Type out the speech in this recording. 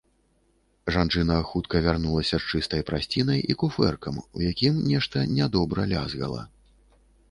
Жанчына хутка вярнулася з чыстай прастцінай і куфэркам, у якім нешта нядобра лязгала.